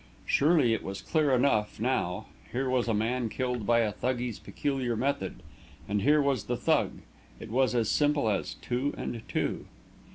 Surely it was clear enough, now: here was a man killed by Thuggee's peculiar method, and here was the Thug. It was as simple as two and two!